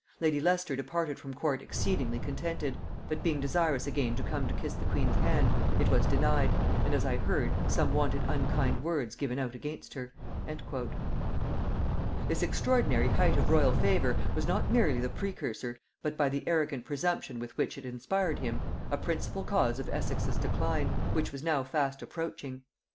Lady Leicester departed from court exceedingly contented, but being desirous again to come to kiss the queen's hand, it was denied, and, as I heard, some wonted unkind words given out against her." This extraordinary height of royal favor was not merely the precursor, but, by the arrogant presumption with which it inspired him, a principal cause of Essex's decline, which was now fast approaching.